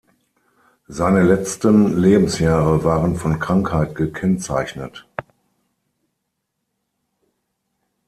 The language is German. Seine letzten Lebensjahre waren von Krankheit gekennzeichnet.